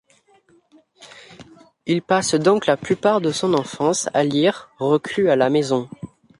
Il passe donc la plupart de son enfance à lire, reclus à la maison.